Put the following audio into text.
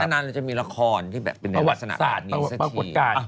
นานานเราจะมีละครที่แบบเป็นในลักษณะแบบนี้สักที